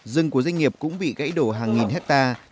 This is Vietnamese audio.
rừng của doanh nghiệp cũng bị gãy đổ hàng nghìn hectare